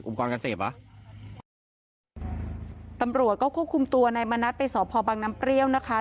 การเสพอ่ะตำรวจก็ควบคุมตัวนายมณัฐไปสอบพอบังน้ำเปรี้ยวนะคะ